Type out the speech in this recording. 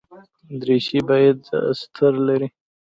دریشي باید استر لري.